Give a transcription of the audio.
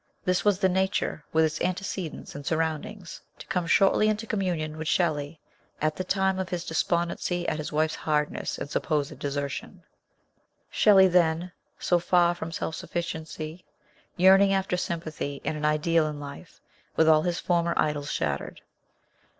This was the nature, with its antecedents and surroundings, to come shortly into communion with Shelley, at the time of his despon dency at his wife's hardness and supposed desertion ; Shelley then, so far from self sufficiency, yearning after sympathy and an ideal in life, with all his former idols shattered.